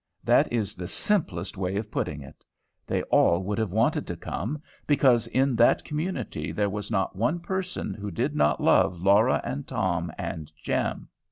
That is the simplest way of putting it. They all would have wanted to come, because in that community there was not one person who did not love Laura and Tom and Jem.